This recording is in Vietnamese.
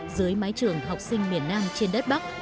dưới mái trường học sinh miền nam trên đất bắc